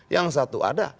yang satu ada